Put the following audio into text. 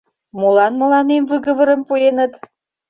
— Молан мыланем выговорым пуэныт?